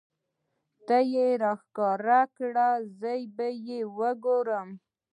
که تۀ یې راښکاره کړې زه به یې وګورمه.